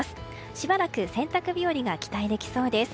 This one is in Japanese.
しばらく洗濯日和が期待できそうです。